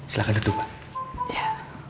silakan duduk ya